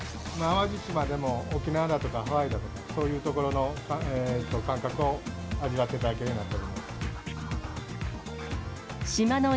淡路島でも沖縄だとか、ハワイだとか、そういう所の感覚を味わっていただけるようになっています。